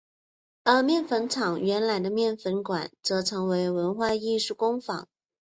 而面粉厂原有的面粉筒则成为文化艺术工坊。